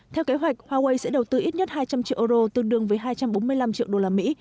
theo kế hoạch huawei sẽ đầu tư ít nhất hai trăm linh triệu euro tương đương với hai trăm bốn mươi năm triệu đô la mỹ